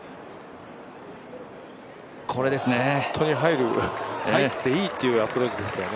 本当に入る入っていっていうアプローチでしたね。